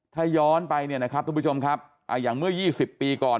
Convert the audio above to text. ถ้าย้อนไปเนี่ยนะครับทุกผู้ชมครับอย่างเมื่อ๒๐ปีก่อน